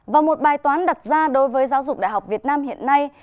và một bài toán đặt ra đối với giáo dục đại học việt nam hiện nay